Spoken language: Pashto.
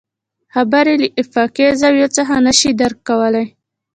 خبرې له افاقي زاويو څخه نه شي درک کولی.